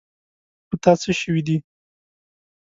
په تا څه شوي دي.